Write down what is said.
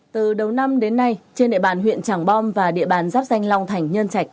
từ đầu năm đến nay trên địa bàn huyện tràng bom và địa bàn giáp danh long thành nhân trạch